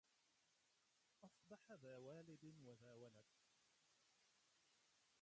أصبح ذا والد وذا ولد